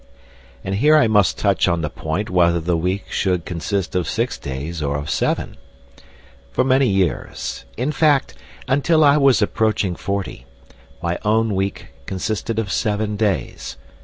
And here I must touch on the point whether the week should consist of six days or of seven. For many years in fact, until I was approaching forty my own week consisted of seven days.